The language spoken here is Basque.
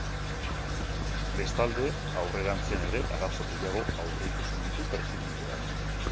Bestalde, aurrerantzean ere arazo gehiago aurreikusten ditu presidenteak.